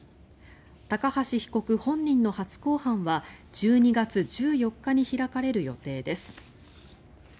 高橋被告本人の初公判は１２月１４日に開かれる予定です。